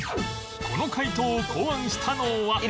この回答を考案したのは